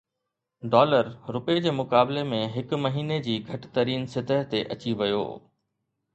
dollar رپئي جي مقابلي ۾ هڪ مهيني جي گهٽ ترين سطح تي اچي ويو